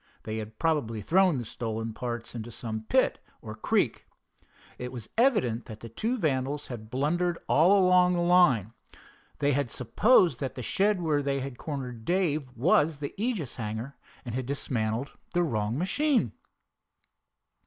They had probably thrown the stolen parts into some pit or creek. It was evident that the two vandals had blundered all along the line. They had supposed that the shed where they had cornered Dave was the Aegis hangar, and had dismantled the wrong machine.